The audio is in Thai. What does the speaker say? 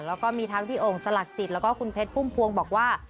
แล้วก็มีทั้งพี่โอ่งสลักจิตแล้วก็คุณเพชรพุ่มพวงบอกว่า